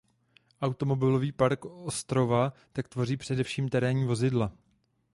Automobilový park ostrova tak tvoří především terénní vozidla.